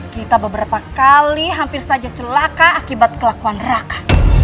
kita beberapa kali hampir saja celaka akibat kelakuan rak